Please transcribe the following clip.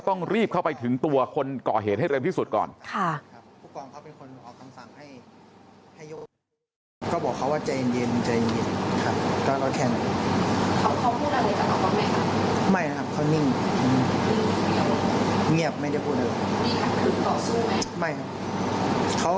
ต้องรีบเข้าไปถึงตัวคนก่อเหตุให้เร็วที่สุดก่อน